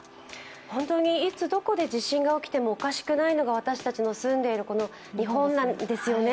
本当にいつ地震が起きてもおかしくないのが私たちの住んでいる日本なんですよね。